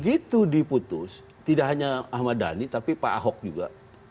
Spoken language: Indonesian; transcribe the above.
begitu diputus tidak hanya ahmad dhani tapi pak ahok juga